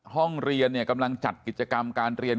ห้องเรียนกำลังจัดกิจกรรมการเรียน